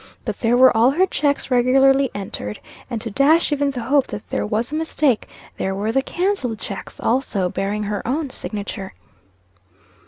But there were all her checks regularly entered; and, to dash even the hope that there was a mistake, there were the cancelled checks, also, bearing her own signature.